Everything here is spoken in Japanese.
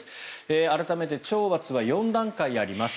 改めて懲罰は４段階あります。